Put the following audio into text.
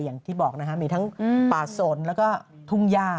อย่างที่บอกนะครับมีทั้งป่าสนแล้วก็ทุ่งย่า